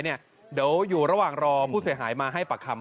เดี๋ยวอยู่ระหว่างรอผู้เสียหายมาให้ปากคำ